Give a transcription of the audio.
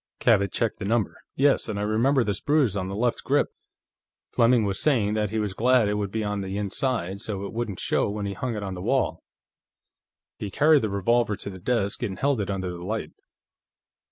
Cabot checked the number. "Yes. And I remember this bruise on the left grip; Fleming was saying that he was glad it would be on the inside, so it wouldn't show when he hung it on the wall." He carried the revolver to the desk and held it under the light.